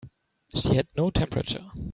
She had no temperature.